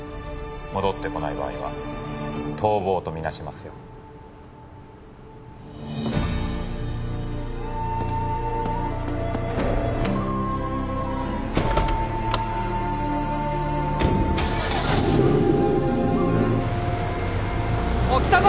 戻ってこない場合は逃亡とみなしますよ・おい来たぞ！